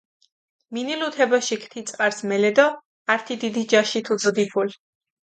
მინილუ თე ბოშიქ თი წყარს მელე დო ართი დიდი ჯაში თუდო დიფულჷ.